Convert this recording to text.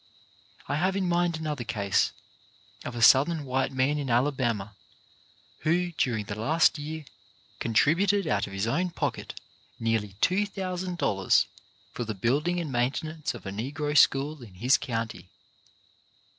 I have in mind another case, of a Southern white man in Alabama who during the last year contributed out of his own pocket nearly $2,000 for the building and main tenance of a Negro school in his county.